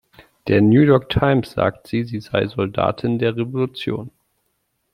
Der "New York Times" sagt sie, sie sei „Soldatin der Revolution“.